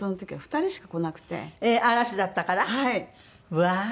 うわー！